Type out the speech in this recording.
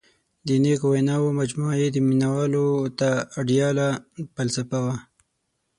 • د نیکو ویناوو مجموعه یې مینوالو ته آیډیاله فلسفه وه.